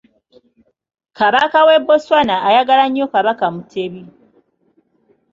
Kabaka w'e Botswana ayagala nnyo Kabaka Mutebi.